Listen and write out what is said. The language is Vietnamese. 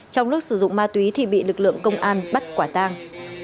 trong nước sử dụng ma túy thì bị lực lượng công an bắt quả tang